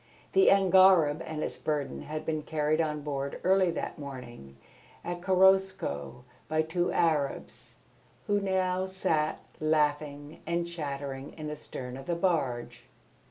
The angareb and its burden had been carried on board early that morning at Korosko by two Arabs, who now sat laughing and chattering in the stern of the barge.